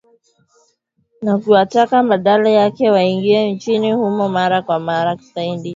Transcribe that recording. Na kuwataka badala yake waingie nchini humo mara kwa mara kusaidia.